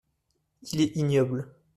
Il est ignoble.